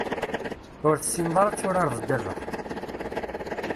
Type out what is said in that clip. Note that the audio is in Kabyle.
Ur tessineḍ ara ad turareḍ ddabex.